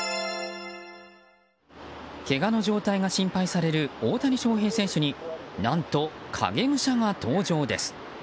けがの状態が心配される大谷翔平選手に何と影武者が登場です。